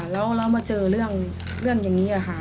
แล้วมาเจอเรื่องอย่างนี้ค่ะ